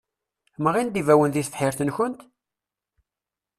Mɣin-d ibawen deg tebḥirt-nkent?